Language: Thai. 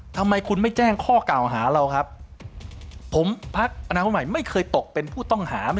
ทำไมคุณไม่แจ้งข้อกล่าวหาเราครับผมพักอนาคตใหม่ไม่เคยตกเป็นผู้ต้องหา